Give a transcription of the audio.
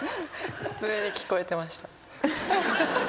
普通に聞こえてました。